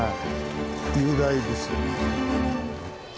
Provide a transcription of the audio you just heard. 雄大ですよね。